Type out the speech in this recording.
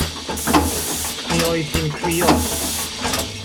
Mi oedd hi'n crio.